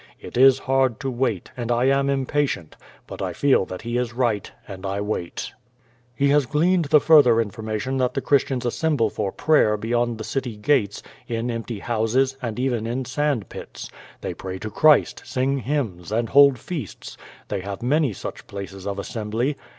It is hard to wait, and I am impatient, but I feel that he is right, and I wait. He has gleaned the further information that the Christians 128 QVO VADIS. assemble for prayer bej'^ond the city gates, in empty houses, and even in sand pits. They pray to Christ, sing hymns, and hold feasts. They have many such places of assembly.